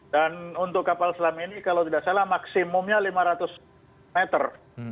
dan untuk kapal selam ini kalau tidak salah maksimumnya lima ratus meter